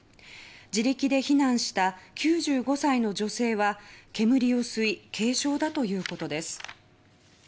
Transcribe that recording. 自力で避難した９５歳の女性は煙を吸い軽症だということです。